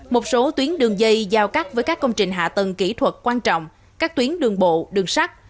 một số tuyến đường dây giao cắt với các công trình hạ tầng kỹ thuật quan trọng các tuyến đường bộ đường sắt